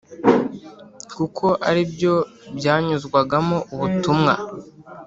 kuko ari byo byanyuzwagamo ubutumwa